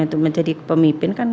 untuk menjadi pemimpin kan